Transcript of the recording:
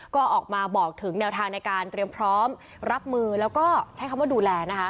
ก็ออกมาบอกถึงแนวทางในการเตรียมพร้อมรับมือแล้วก็ใช้คำว่าดูแลนะคะ